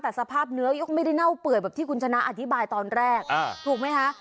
แต่สภาพเนื้อยกไม่ได้เน่าเปื่อยแบบที่คุณชนะอธิบายตอนแรกถูกไหมคะ